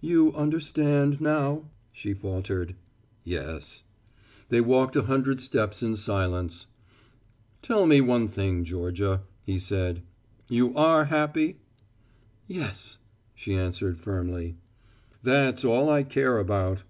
"You understand now?" she faltered. "Yes." They walked a hundred steps in silence. "Tell me one thing, Georgia," he said, "you are happy?" "Yes," she answered firmly. "That's all I care about."